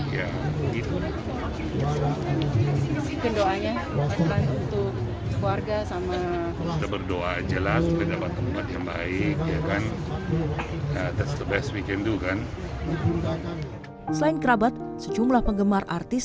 ya gitu doanya keluarga sama berdoa jelas yang baik kan selain kerabat sejumlah penggemar artis